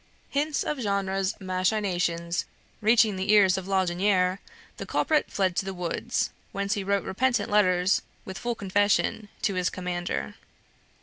Hints of Genre's machinations reaching the ears of Laudonniere, the culprit fled to the woods, whence he wrote repentant letters, with full confession, to his commander.